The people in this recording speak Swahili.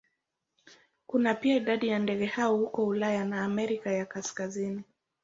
Kuna pia idadi ya ndege hao huko Ulaya na Amerika ya Kaskazini.